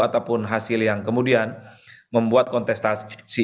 ataupun hasil yang kemudian membuat kontestasi